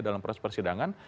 dalam proses persidangan